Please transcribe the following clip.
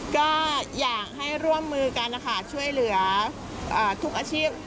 ก็อยากให้ร่วมมือกันนะคะช่วยเหลือทุกอาชีพ